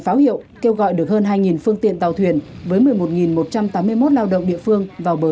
pháo hiệu kêu gọi được hơn hai phương tiện tàu thuyền với một mươi một một trăm tám mươi một lao động địa phương vào bờ